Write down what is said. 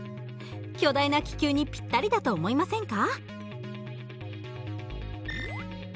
巨大な気球にぴったりだと思いませんか？